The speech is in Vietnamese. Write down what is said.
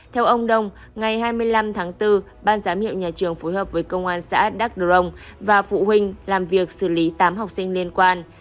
theo ông đông ngày hai mươi năm tháng bốn ban giám hiệu nhà trường phối hợp với công an xã đắk rồng và phụ huynh làm việc xử lý tám học sinh liên quan